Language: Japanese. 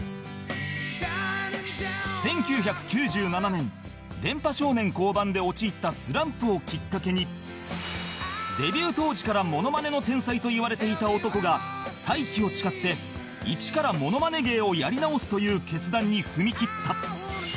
１９９７年『電波少年』降板で陥ったスランプをきっかけにデビュー当時からモノマネの天才といわれていた男が再起を誓っていちからモノマネ芸をやり直すという決断に踏み切った